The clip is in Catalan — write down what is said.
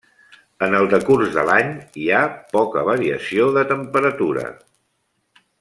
En el decurs de l'any hi ha poca variació de temperatura.